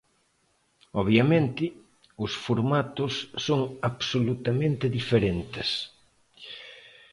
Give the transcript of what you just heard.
Obviamente, os formatos son absolutamente diferentes.